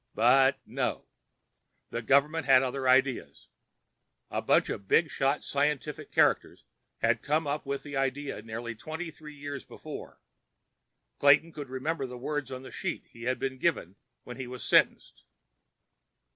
But no—the government had other ideas. A bunch of bigshot scientific characters had come up with the idea nearly twenty three years before. Clayton could remember the words on the sheet he had been given when he was sentenced.